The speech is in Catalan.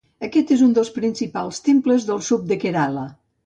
Aquest és un dels principals temples del sud de Kerala.